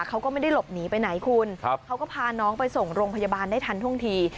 เขาก็ไม่ได้หลบหนีไปไหนคุณเขาก็พาน้องไปส่งโรงพยาบาลได้ทันท่วงที